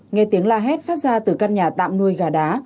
nghe tiếng la hét phát ra từ căn nhà tạm nuôi gà đá